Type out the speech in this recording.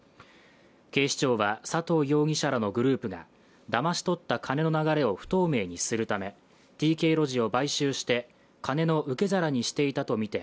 警視庁は、佐藤容疑者らのグループがだまし取った金の流れを不透明にするためＴＫロジを買収して金の受け皿にしていたとみて